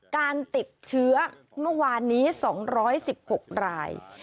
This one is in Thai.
การติดเชื้อเมื่อวานนี้๒๑๖ราย